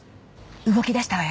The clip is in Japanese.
動き出したわよ